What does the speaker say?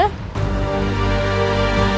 karena kedua duanya putriku